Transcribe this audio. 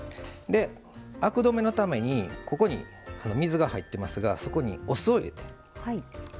アク止めのために水が入っていますがそこにお酢を入れて。